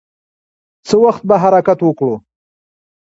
څه وخت به حرکت وکړو؟